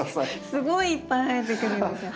すごいいっぱい生えてくるんですよ